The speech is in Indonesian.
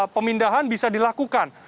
pemindahan bisa dilakukan